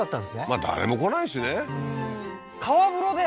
まあ誰も来ないしね川風呂で？